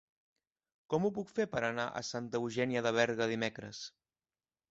Com ho puc fer per anar a Santa Eugènia de Berga dimecres?